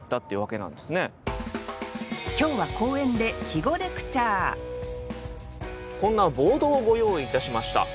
今日は公園で季語レクチャーこんなボードをご用意いたしました。